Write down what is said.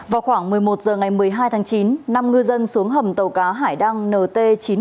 vào khoảng một mươi một h ngày một mươi hai tháng chín năm ngư dân xuống hầm tàu cá hải đăng nt chín mươi một nghìn ba trăm sáu mươi